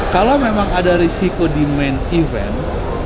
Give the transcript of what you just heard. kalau memang ada risiko di main event